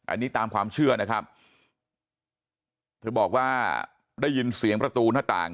อันนี้ตามความเชื่อนะครับเธอบอกว่าได้ยินเสียงประตูหน้าต่าง